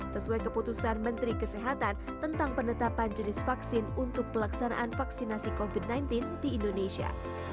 sesuai keputusan menteri kesehatan tentang penetapan jenis vaksin untuk pelaksanaan vaksinasi covid sembilan belas di indonesia